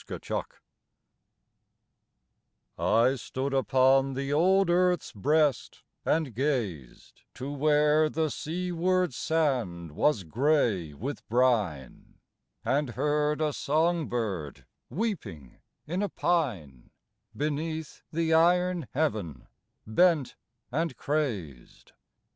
108 XV I STOOD upon the old Earth's breast and gazed To where the seaward sand was gray with brine, And heard a song bird weeping in a pine, Beneath the iron heaven, bent and crazed.